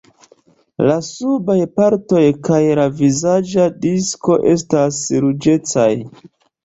La subaj partoj kaj la vizaĝa disko estas ruĝecaj.